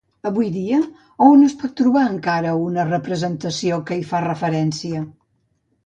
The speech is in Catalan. Avui dia, a on es pot trobar encara una representació que hi fa referència?